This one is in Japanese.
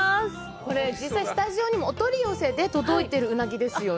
これ実際スタジオにも、お取り寄せで届いてるうなぎですよね。